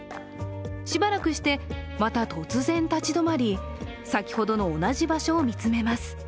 しばらくしてまた、突然立ち止まり先ほどの同じ場所を見つめます。